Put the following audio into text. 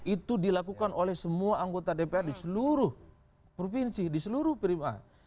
itu dilakukan oleh semua anggota dpr di seluruh provinsi di seluruh prima